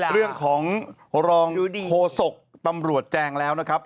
เรื่องของรองโฆษกตำรวจแจงแล้วนะครับ